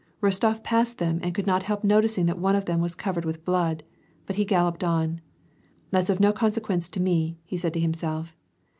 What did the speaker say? Kostof passed them and could not help noticing that one of them was covered with blood, bat he galloped on. ^ That's of no consequence to me," he said to himself.